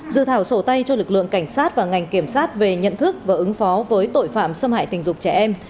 dự thảo sổ tay cho lực lượng cảnh sát và ngành kiểm sát về nhận thức và ứng phó với tội phạm xâm hại tình dục trẻ em